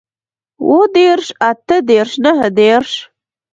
اووه دېرش اتۀ دېرش نهه دېرش